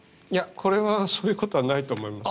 これはそういうことはないと思います。